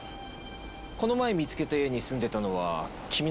この前見つけた家に住んでたのは君なの？